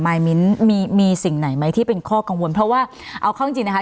ยมิ้นมีมีสิ่งไหนไหมที่เป็นข้อกังวลเพราะว่าเอาเข้าจริงจริงนะคะ